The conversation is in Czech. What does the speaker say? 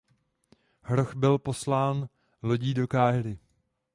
Hroch byl poslán lodí do Káhiry.